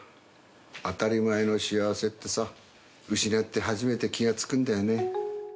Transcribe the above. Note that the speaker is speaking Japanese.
当たり前の幸せってさ、失って初めて気付くんだよね。